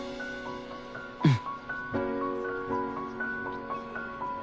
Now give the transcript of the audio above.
うん！